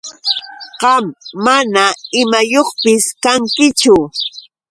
Qam mana imayuqpis kankichu.